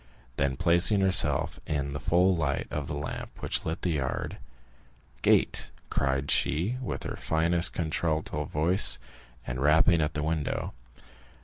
Then placing herself in the full light of the lamp which lit the yard: "Gate!" cried she, with her finest contralto voice, and rapping at the window.